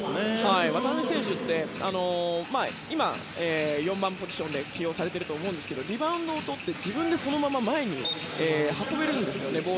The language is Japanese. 渡邊選手は今、４番のポジションで起用されていますがリバウンドをとって、自分でそのまま前に運べるんです。